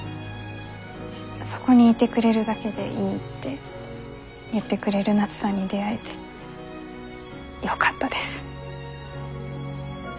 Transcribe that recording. そこにいてくれるだけでいいって言ってくれる菜津さんに出会えてよかったです。